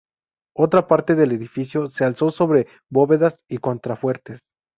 Otra parte del edificio se alzó sobre bóvedas y contrafuertes.